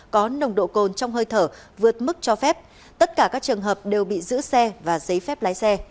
có nồng độ cồn trong hơi thở vượt mức cho phép tất cả các trường hợp đều bị giữ xe và giấy phép lái xe